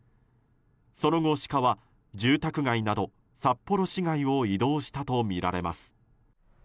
その後シカは住宅街など札幌市街を移動したとみられます。